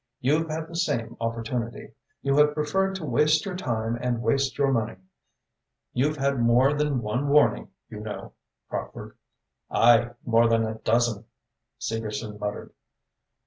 You've had the same opportunity. You have preferred to waste your time and waste your money. You've had more than one warning you know, Crockford." "Aye, more than a dozen," Segerson muttered.